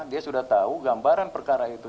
dia sudah tahu gambaran perkara itu